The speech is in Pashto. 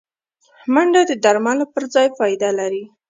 منډه د درملو پر ځای فایده لري